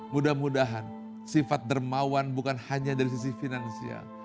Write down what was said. mudah mudahan sifat dermawan bukan hanya dari sisi finansial